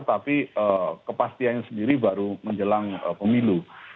tapi kepastiannya sendiri baru menjelang pemilu